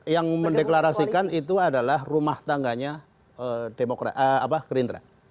yang mendeklarasikan itu adalah rumah tangganya gerindra